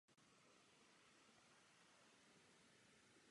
V současnosti jsou ostrovy jednou z provincií Nové Guineje.